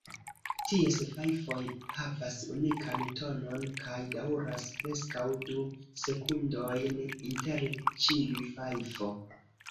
Ties fajfoj havas unikan tonon kaj daŭras preskaŭ du sekundojn inter ĉiu fajfo.